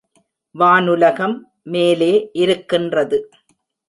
வானுலகம் மேலே இருக்கின்றது.